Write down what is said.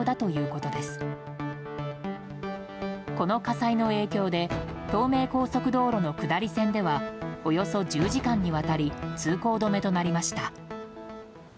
この火災の影響で東名高速道路の下り線ではおよそ１０時間にわたり通行止めとなりました。